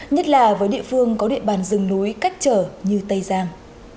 nhất là với địa phương có địa bàn rừng núi cách trở như tây giang